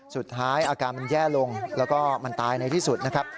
สุดท้ายอาการมันแย่ลงแล้วก็มันตายในที่สุดนะครับ